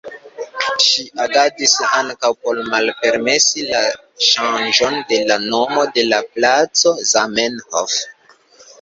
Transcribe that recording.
Ŝi agadis ankaŭ por malpermesi la ŝanĝon de la nomo de la placo Zamenhof.